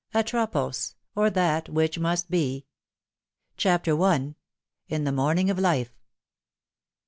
t ATROPOS j OR THAT WHICH MUST BE. CHAPTER I. IN THE MORNINa OF LIFE.